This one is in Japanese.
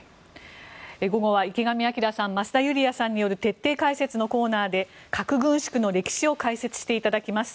午後は池上彰さん増田ユリヤさんによる徹底解説のコーナーで核軍縮の歴史を解説していただきます。